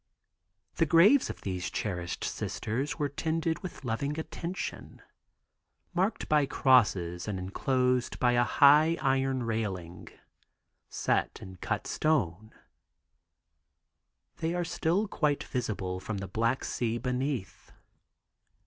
The graves of these cherished Sisters were tended with loving attention. Marked by crosses and enclosed by a high iron railing set in cut stone, they are still quite visible from the Black Sea beneath.